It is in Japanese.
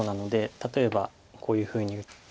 例えばこういうふうに打って。